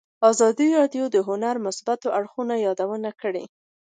ازادي راډیو د هنر د مثبتو اړخونو یادونه کړې.